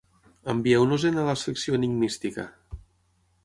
Envieu-nos-en a la Secció Enigmística.